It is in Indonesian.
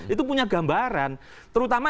itu punya gambaran terutama